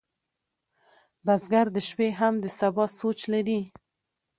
بزګر د شپې هم د سبا سوچ لري